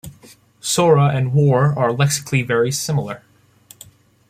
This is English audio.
Sohra and War are lexically very similar.